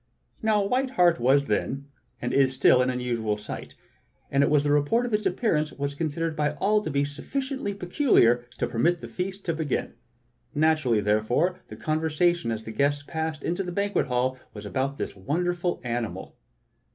Now a white hart was then, and is still, an unusual sight; and the report of its appearance was considered by all to be sufficiently peculiar to permit the feast to begin. Naturally, therefore, the con versation as the guests passed into the banquet hall was about this wonderful animal.